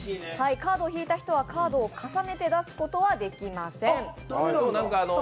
カードを引いた人はカードを重ねて出すことはできません。